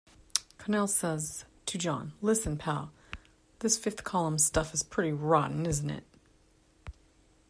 Connell says to John: Listen, pal, this fifth-column stuff is pretty rotten, isn't it?